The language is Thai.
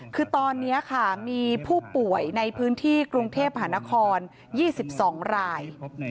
คือตอนนี้ค่ะมีผู้ป่วยในพื้นที่กรุงเทพหานคร๒๒ราย